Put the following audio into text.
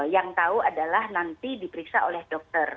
yang tahu adalah nanti diperiksa oleh dokter